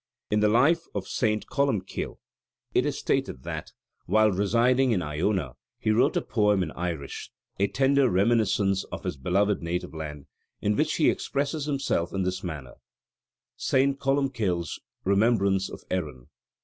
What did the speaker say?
In the Life of St. Columkille it is stated that, while residing in Iona, he wrote a poem in Irish, a tender reminiscence of his beloved native land, in which he expresses himself in this manner: ST. COLUMKILLE'S REMEMBRANCE OF ERIN.